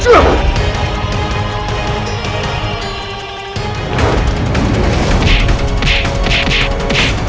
aku tidak mau